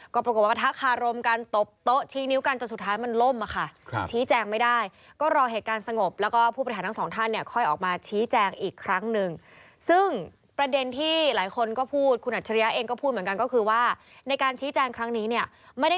ก็ปรากฏว่าปะทะคารมกันตบโต๊ะชี้นิ้วกันจนสุดท้ายมันล่มค่ะ